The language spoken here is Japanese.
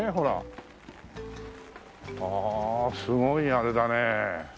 ああすごいあれだね。